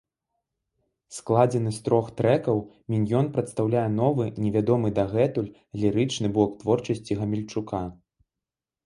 Складзены з трох трэкаў міньён прадстаўляе новы, невядомы дагэтуль, лірычны бок творчасці гамельчука.